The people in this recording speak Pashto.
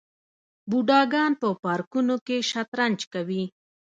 بوډاګان په پارکونو کې شطرنج کوي.